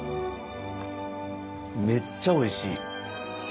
めっちゃおいしい。